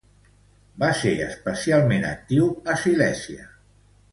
Va ser especialment actiu a Silèsia.